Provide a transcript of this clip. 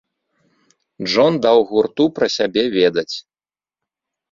Джон даў гурту пра сябе ведаць.